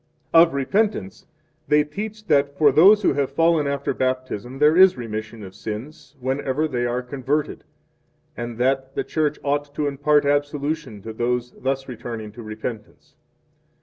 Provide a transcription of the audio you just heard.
1 Of Repentance they teach that for those who have fallen after Baptism there is remission of sins whenever they are converted 2 and that the Church ought to impart absolution to those thus returning to repentance.